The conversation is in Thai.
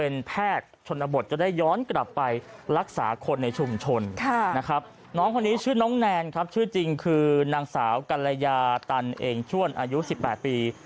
น้องคนนี้ชื่อน้องแนนครับชื่อจริงคือนางสาวกัลยาตันเองชวนอายุ๑๘ปี